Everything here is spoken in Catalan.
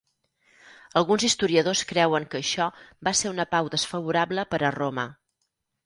Alguns historiadors creuen que això va ser una pau desfavorable per a Roma.